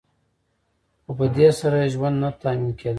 خو په دې سره ژوند نه تأمین کیده.